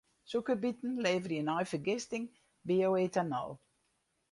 Sûkerbiten leverje nei fergisting bio-etanol.